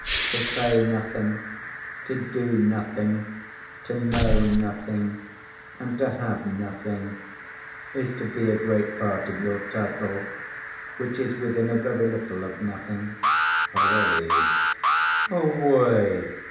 To say nothing, to do nothing, to know nothing, and to have nothing, is to be a great part of your title; which is within a very little of nothing. PAROLLES. Away!